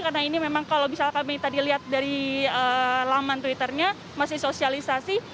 karena ini memang kalau misalnya kami tadi lihat dari laman twitternya masih sosialisasi